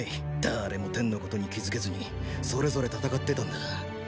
だーれもテンのことに気付けずにそれぞれ戦ってたんだ。